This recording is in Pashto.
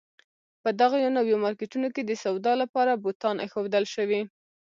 په دغو نویو مارکېټونو کې د سودا لپاره بوتان اېښودل شوي.